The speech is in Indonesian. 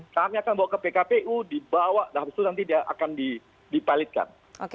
kami akan bawa ke pkpu dibawa dan itu nanti dia akan dipalitkan